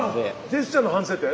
ジェスチャーの反省点？